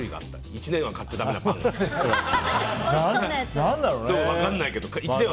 １年は買っちゃだめなパンとか。